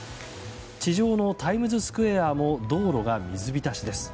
地上のタイムズスクエアも道路が水浸しです。